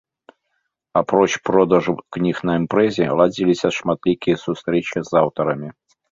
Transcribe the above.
Апроч продажу кніг на імпрэзе ладзіліся шматлікія сустрэчы з аўтарамі.